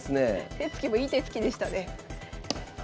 手つきもいい手つきでしたね。